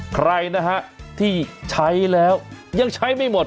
ใครนะฮะที่ใช้แล้วยังใช้ไม่หมด